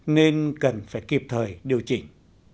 nên cần phải kịp thời điều chỉnh